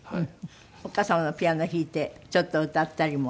お母様のピアノ弾いてちょっと歌ったりもしたりする？